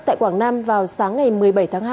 tại quảng nam vào sáng ngày một mươi bảy tháng hai